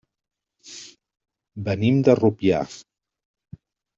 Venim de Rupià.